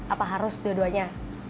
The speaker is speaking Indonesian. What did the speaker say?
apa harus dua duanya